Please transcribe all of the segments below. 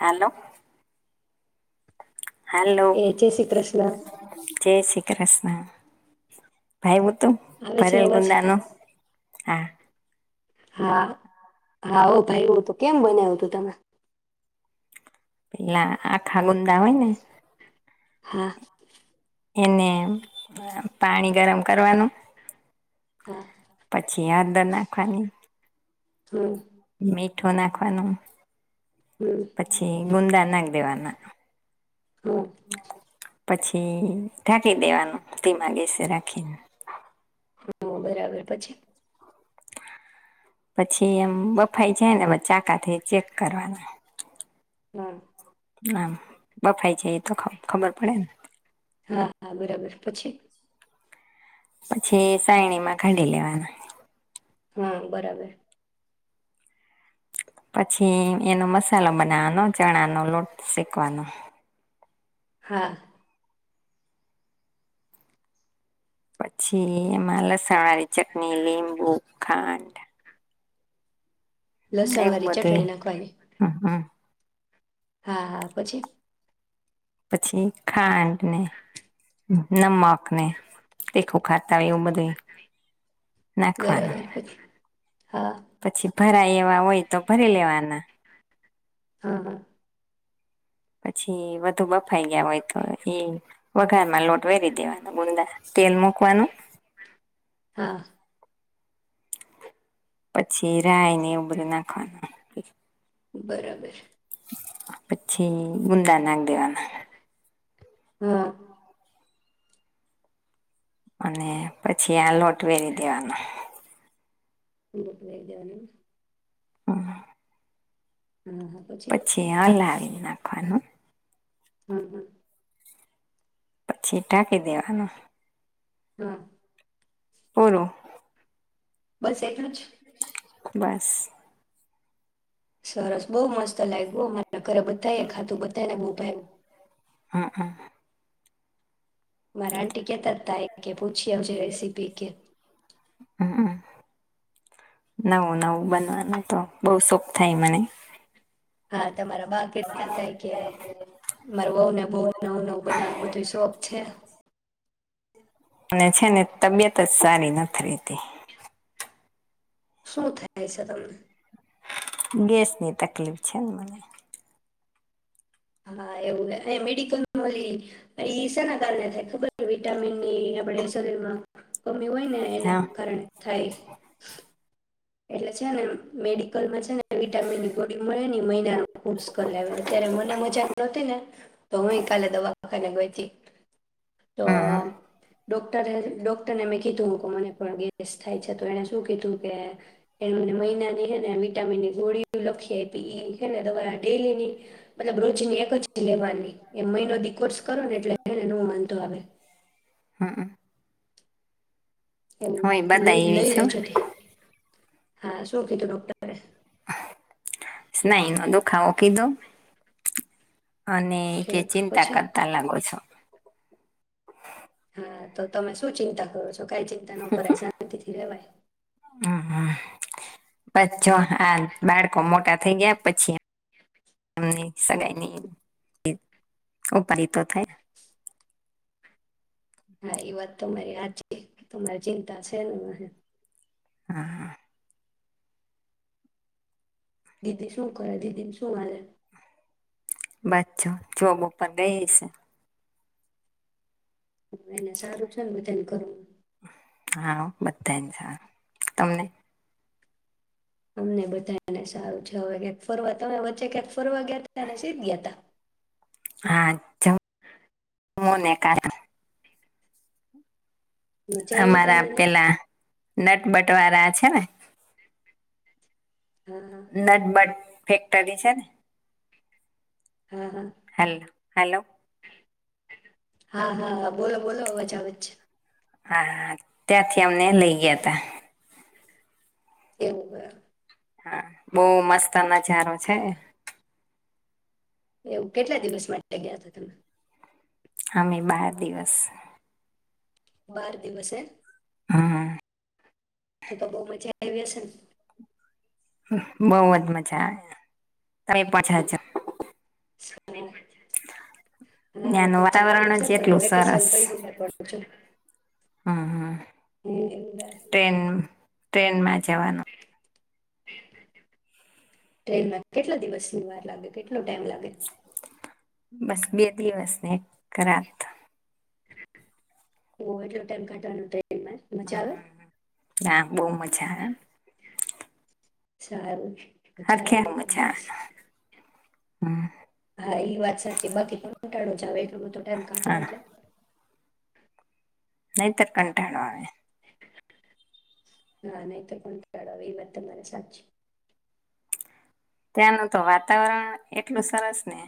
હાલો. Hello એ જય શ્રી કૃષ્ણ જય શી કૃષ્ણ [unintelligible] તું આવે છે ભરેલ અવાજ ગુંદાનો? હા. હા, હા હો ભાયવું તું, કેમ બનાયવું તું તમે? પેલા આખા ગુંદા હોય ને હા. એને પાણી ગરમ કરવાનું હા. પછી હળદર નાખવાની હમ મેગ મીઠો નાખવાનો. હમ પછી ગુંદા નાખ દેવાના. હા. પછી ઢાંકી દેવાનું ધીમા ગેસે રાખીને. હા બરાબર પછી. પછી એમ બફાઈ જાય ને પછ ચાકાથી ચેક કરવાના. હા. આમ બફાઈ છે એ તો ખબ ખબર પડેને? હા હા બરાબર પછી પછી સાયણીમાં કાઢી લેવાના. હા બરાબર. પછી એનો મસાલો બનાવાનો ચણા નો લોટ શેકવાનો. હા. પછી એમાં લસણ વાળી ચટણી, લીંબુ, ખાંડ લસણ એવું વાળી ચટણી બધું નાખવાની હા, હા. હા, હા પછી. પછી ખાંડને નમક અને [unintelligible] હવે એવું બધુંય નાખવાનું. બરાબર પછી હા. ભરા એવા હોય તો ભરી લેવાના હા, હા. પછી વધુ બફાઈ ગયા હોય તો એ વઘારમાં લોટ વેરી દેવાનો ગુંદા તેલ મુકવાનો હા. પછી રાય ને એવું બધું નાખવાનું. બરાબર. પછી ગુંદા નાક દેવાના. હા અને પછી આ લોટ વેરી દેવાનો. મોકલાઈ દેવાનું હા. હા હા પછી [unintelligible] લાગે. [unintelligible] હા, હા. પછી ટાંકી દેવાનું હા. ફરો. બસ એ પણ છે. બસ. શરસ બહુ મસ્ત લાઇગુ, અમારા ઘરે બધા એ ખાધું બધા ને બો ભાઈવુ હા, હા. મરા આંટી કે તતા પૂછી આવજે રેસીપી કે નવું નવું બનવાનું તો બો સુખ થાય મને. હા. તમારા બા કેતા કે મારું વઉ ને બો નવું નવું બનાવવાનું બધું શોખ છે. અને છે ને તબિયતજ સારી નથી રેહતી. શું થાય છે, તમને? ગેસની તકલીફ છે ને મને. હા, એવું મેડિકલમાં ઓલી ઈસાના કારણે થાય ખબર વિટામીનની આપણે શરીરમાં કામ મી હોય ને એના હા કારણે થાય. એટલે છે ને મેડિકલમાં છે ને વિટામિન ની ગોડી મળે મહિનાનું. પુષ્કર લાવ્યો અત્યારે મને મજા નતી ને તો હું કાલે દવાખાને ગ [inaudible] તો હમ ડોક ડોક્ટરને મેં કીધું કે મને પણ ગેસ થાય છે તો એને શું કીધું કે એ મને મહિનાની હેને વિટામિન. ગોળી તો લખીઆયપી એ છે ને દવા ડેલીની મતલબ રોજની એક જ લેવાની એમ મહિનો દી કોર્સ કરો ને એટલે એને ન વાંધો આવે. એ લ હું બધા લઈ એવી છું લેજો. [inaudible] હા શોખિતું ડોક્ટર. નહી એનો દુઃખાાવ. કી તો. અને કે ઠીક ચિંતા પછી કરતા લાગો છો. હા તો તમે શું ચિંતા કરો છો? કઈ ચિંતા ન કરાય શાંતિ થી રેવાય. પછ જો આ બાળકો મોટા થઈ ગયા પછી એમની સગાઈની ઉપાધી તો થાય. હા એ વાત તમારી હાચી છે તમારી ચિંતા છે ને. હા. દીદી શું કરે, દીદીને શું હાલે? બછો જોબ ઉપર ગઈ હશે. એને સારું છે ને બધાને ઘરમાં? હા હો બધાયન સારું. તમને? અમનેય બધાયને સારું છે. હવે કયાક ફરવા તમે વચ્ચે ક્યાંક ફરવા ગયા તા ને સીદ ગયા તા? હા, જ [unintelligible] મજા આવી અમારા તમને પેલા નટબટવાળા છે ને ત્યાં? નટ બટ ફેક્ટરી છે ને હા હા હા હેલો. હેલો. હા, હા, હા બોલો-બોલો અવાજ આવે જ છે. હા ત્યાંથી અમને લઇ ગયા તા. એવું બરાબર. હા, બહું મસ્ત ના નજારો છે. એવું કેટલા દિવસ માટે ગયા તા તમે? અમે બાર દિવસ. બાર દિવસે હા. તો તો બહુ મજા આયવી હશે ને? બઉ જ મજા આવે તમે પાછા [unintelligible] [inaudible] ના ત્યાંનું [unintelligible] હાચું છે વાતાવરણ જ પણ એટલું વેકેશન સરસ પૈડું [unintelligible] છું. હમ હમ ટેન મે જવાનું ટ્રેનમાં કેટલા દિવસની વાર લાગે, કેટલો ટાઈમ લાગે? બસ બે દિવસ ને ક રાત. ઓ એટલો ટાઈમ કાટવાનું તો એમ જ મજા આવે? ના. બવ મજા આવે. સારું. હરખે જાય એક મજા આવે દિવસ. હમ હા એ વાત સાચી બાકી કંટાડો જ આવે એટલો ટાઈમ કાટો હા એટલે નહીતર કંટાળો આવે. હા નહીતર કંટાળો ઈ વાતે તમારી સાચી. ત્યાંનું તો વાતાવરણ એટલું સ સરસ ને.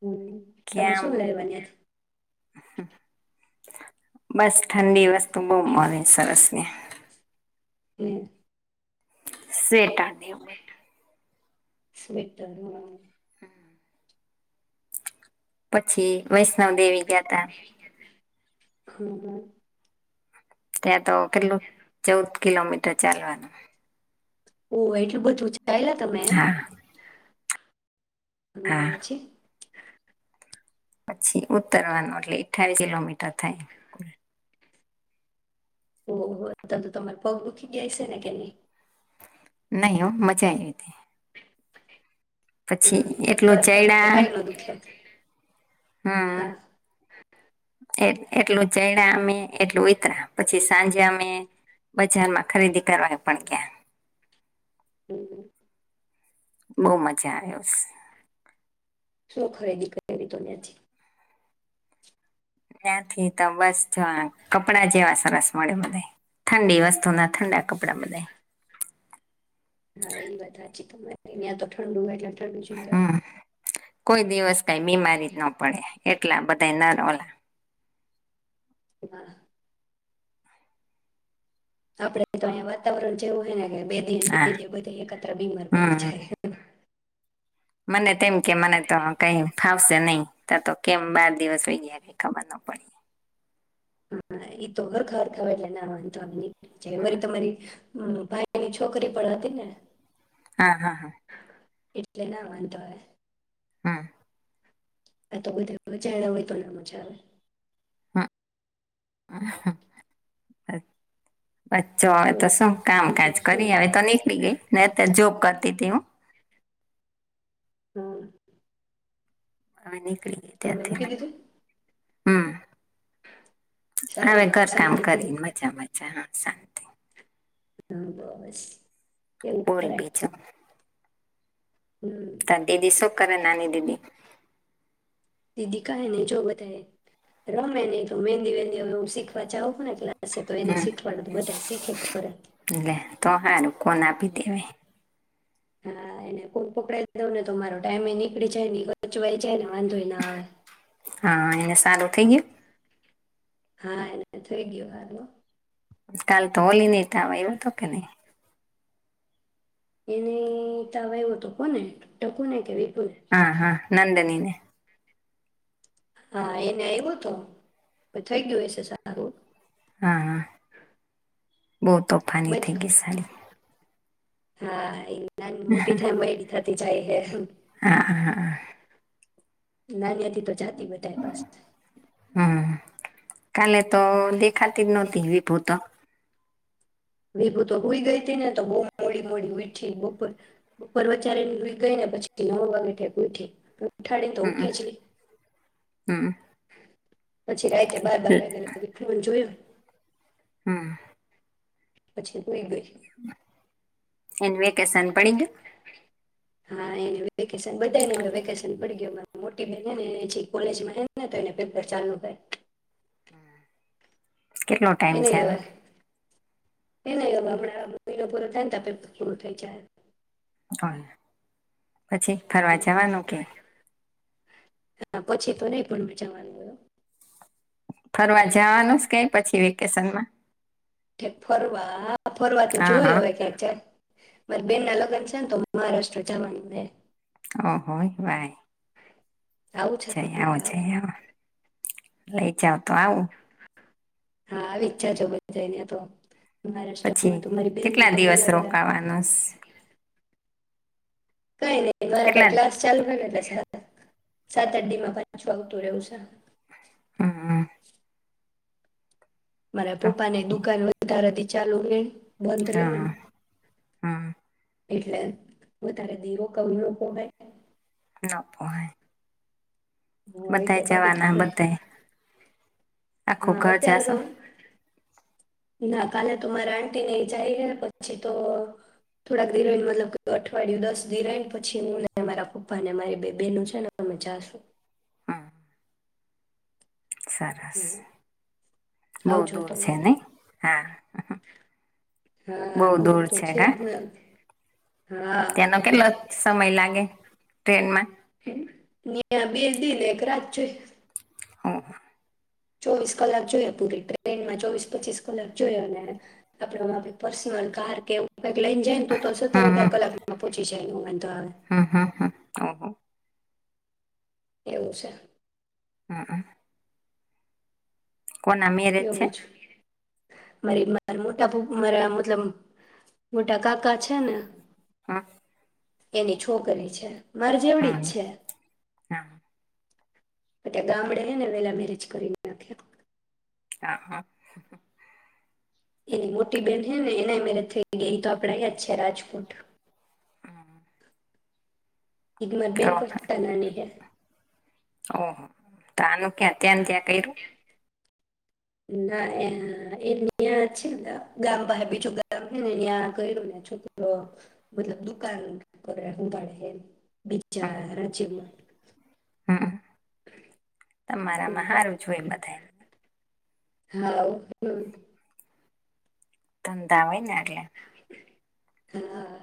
હમ કે તમે આમ શું લેવાન્ય. બસ. ઠંડી વસ્તુ બહુ મળે સરસ. ને ની. સ્વેટર ને એવું બધું સ્વેટર મ પછી વસ તન દેવી ગયા ત્યા. ખબર. ત્યા તો. કલો ચૌથ. કિલોમીટર ચાલવાનું. ઓ એટલું બધું જ. ચાયલા તમે? હા હ હા વછી. પછી ઉતરવાનું એટલે ઈઠ્ઠાવી કિલોમીટર થાય. ઓહ ઓહ તો તમાર પગ દુખી ગયા હશે છે કે નહિ? નહીં હો મજા આવી તી. પછી હમ હરખા એટલું હરખા હોય એટલે ચેયડા, કાંઈ ન દુખે હા, એ એટલું ચેયડા અમે એટલું ઉતરા, પછી સાંજે અમે બજારમાં ખરીદી કરવા પણ ગયા. હમ્મ બહુ મજા આવ્યોસ. શું ખરીદી કરી આવી તમે? ત્યાંથી તો બસ જો કપડા જ એવા સરસ મળે બધાય, ઠંડી વસ્તુ ના ઠંડા કપડા બધાય. હા ઈ વાત હાચી તમારી, યા તો ઠંડુ હોય એટલે ઠંડું જી મળે. હમ કોઈ દિવસ કાઈ બીમારી જ નો પડે. એટલા બધા ના રોલા હા આપડે તો અહીંયા વાતાવરણ જે એવું હે ને કે બે દી ન બે હા દી બધા એકાતરા બીમાર પડી હમ જાય. મને તેમ કે મને તો કાઈ ફાવશે નહી. તા તો કેમ બાર દિવસ હોય ગયા, ખબર નો પડી. હા એ તો ગરખા ગરખા નાવા [unintelligible] ને. જય વરી તમારી હમ્મ ભાઈની છોકરી પણ હતી ને. હા, હા, હા. એટલે ના વાંધો આવે. હા. આ તો બધાએ વીચારયા હોય તો ના મજા આવે. હા અ. બચ્ચો હવે તો કેવું શું કામકાજ બીજું કરી શું હવે તો નીકળી ગઈ ને અત્યારે જોબ કર તે તેવું. હમ્મ. અવે ની. તો [unintelligible] તી હમ્મ. હવે સારું ને ઘર કામ શાંતિથી કરી મજા મજા. શાંતિ. હમ્મ બસ. એવું બોલ કરાય બીજુ. હમ તાર દીદી શું કરે નાની દીદી? દીદી કાહે ને જો બધાય રમે નહી તો મહેંદી વહેંદી હ હ શીખવા જાવું પડે ને એટલે અચ્છા તો એને શીખવાનું તો બધા શીખે તો ખરા લે તો હારું કોન આપીતી એને હા એને ફોન પકડાઈ દઉ ને તો મારો ટાઈમે એ નીકળી જાય અને એ [inaudible] સચવાય જાયને વાંધોય ના આવે હા એને સારું થઈ ગયું હા એને થઈ ગયો હારુ કાલ તો હોલી ને તાવ આયવો તો કે નહી? એને ત એવું તો અવે કોને ટકું ને કે? વિપુને હા હા નંદનીને હા એને આયવો તો પણ થઈ ગયું હશે સારું હા હા બહુ તોફાની બધ થઈ ગઈ સાારી હા એ નાની મોટી થાય એમ વયડી થતી જાય હે ના [inaudible] તો જાતિ બધાય પાસેતો કાલે તો દેખાતી જ નહોતી વિપુતો વિભુ તો હુઈ ગઈ ત ને તો બ મોડી મોડી ઉયઠી બોપર બપોર વચારેને રઈ ગઈ ને પછી ન વાેક ઉઠી. ઉઠાડી તો ઊઠેજની. હમ્મ. પછી રાઈતે બાર વાગ્યા [unintelligible] જોયૂ. હમ્મ. પછી. હુઈ ગય. એન વેકેશન પડી ગયું. હા એ. વેકેશન બધ ને હવે વેકેશન પડી ગયો હમારે મોટી બહેન હ ને એ કોલેજમાં હ ને તો એને પેપર ચાલુ થાય. હમ્મ. કેટલો ટાઈમ છે એનો. એ ન હવે આપણા મહિનો પૂરો થાય ને તો પેપર પૂરું થઈ જાય. ઓય, પછી ફરવા જવાનું કે. હા પછી તો નહી પણ ભણવા જવાનું હોઈ. ફરવા જવાનુંસ કઈ પછી વૈ કેસનમાં. ક ફરવા ફરવા તો હા જોય હા હવે ક્યાંક જાય મારે બેન ના લગ્ન છે ને, તો મહારાષ્ટ્ર જવાનું બે. ઓ હોય બાઈ. આવું છે જઈ આવો, તમારે જઈ આવ લઈ જાવ તો આવું. હા, આવીજ જજો બધા ની યા તો. પછી મહારાષ્ટ્રમાં તો મારી બેન ને કેટલા તો દિવસ વહેલા વહેલા રોકાવાનોસ? કઈ નહીં મારા કઈ ક્લાસ ચાલુ એટલે [unintelligible] સાત એકાદ દી માં પાંછું આવતું રહ્યું છે. હા, હા. મારા પપ્પા ને દુકાન વધારે દી ચાલુ રે. બંધ રે ને હા, હા. એટલે વધારે દીરો કવરોપો હેને ના પોહાય. હ એટલે બધા બાકી તો જવાના બધાય. આખું હા ઘર અત્યારે જાશો. તો ના કાલે તો મારા આંટીને જાય ગયા પછી તો થોડાક ધિરાઈ મતલબ ક અઠવાડિયું દસ ધિરાય પછીને મારા પપ્પા ને મારી બે બેહેન છે ને તમે જાશો. હા. સરસ બહુ આવજો દૂર તમે છે નઈ હા બહુ હા દૂર તો છે ઘા જ ને હા તેનો કેટલો સમય લાગે? ટ્રેનમાં. બેલ દિન એક રાત જો હ હ. ચોવીસ કલાક જોયા પૂરી ટ્રેનમાં ચોવીસ પચીસ કલાક જોયા અને આપડમાં આપ પર્સનલ કાર કે ભક લઈન જાયને તો સત્તર અઢાર કલાક પહોચી જાય એ. હમ્મ હમ્મ. એવું છે. હમ્મ હમ્મ. કો ના મેરેજ એવું છે? બીજું મારી મા મોટાપ મારા મતલબ મોટા કાકા છે ને હા. એની છોકરી છે. માર જેવડી જ હમ છે હા. એ કે ગામડે હે ને વેલા મેરેજ કરીને નાખી. હા, હા. એની મોટી બેહેન હે ને એના મેરેજ થઈ ગયા ઈ તો આપડે અહીંયા જ છે રાજકોટ. ઈત માર તો બેન કરતા એય નાની હે. ઓહ તાનું ક્યા ત્યાન ત્યા કર્યું ના એન [unintelligible] એંને ત્યાં છે ને ગા ગામ પાહે બીજું ગામ છે ને ન્યાં કર્યું ને છોકરો મતલબ દુકાન [unintelligible] બીચારા રાજેન હમ્મ. એવું તમારામાં હે હારું જ હોય બધાયને. હા હો [unintelligible] ધંધા હોય ને એટલે હા.